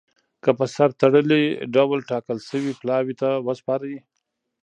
کي په سر تړلي ډول ټاکل سوي پلاوي ته وسپاري.